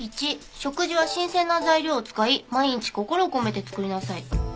「１食事は新鮮な材料を使い毎日心を込めて作りなさい」